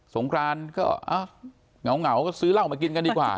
งครานก็เหงาก็ซื้อเหล้ามากินกันดีกว่า